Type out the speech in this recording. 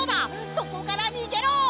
そこからにげろ！